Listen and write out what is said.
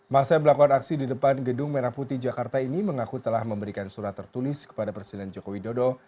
masa yang melakukan aksi di depan gedung merah putih jakarta ini mengaku telah memberikan surat tertulis kepada presiden joko widodo